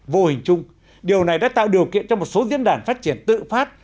vô hình chung điều này đã tạo điều kiện cho một số diễn đàn phát triển tự phát